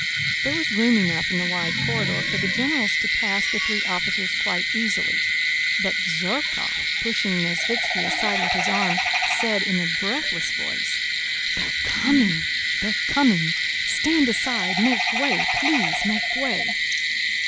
There was room enough in the wide corridor for the generals to pass the three officers quite easily, but Zherkóv, pushing Nesvítski aside with his arm, said in a breathless voice, "They're coming!... they're coming!... Stand aside, make way, please make way!"